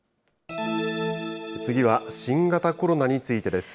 次は、新型コロナについてです。